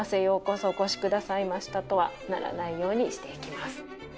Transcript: ようこそお越しくださいました」とはならないようにしていきます。